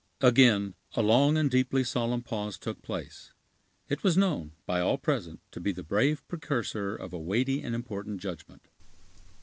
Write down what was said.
Again, a long and deeply solemn pause took place. It was known, by all present, to be the brave precursor of a weighty and important judgment.